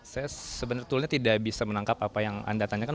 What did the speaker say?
saya sebetulnya tidak bisa menangkap apa yang anda tanyakan